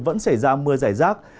vẫn xảy ra mưa giải rác